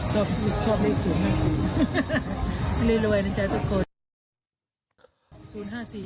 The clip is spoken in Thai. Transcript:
๐๕๔จะมีชอบเลขสูตรมากเรียนรวยในใจทุกคน